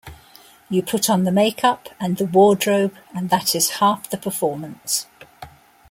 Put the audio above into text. You put on the makeup and the wardrobe, and that is half the performance.